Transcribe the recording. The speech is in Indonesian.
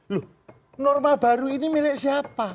lu norma baru ini melek siapa